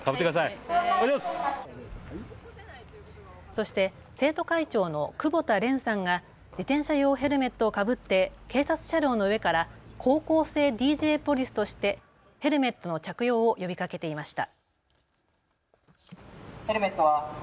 そして生徒会長の久保田蓮さんが自転車用ヘルメットをかぶって警察車両の上から高校生ＤＪポリスとしてヘルメットの着用を呼びかけていました。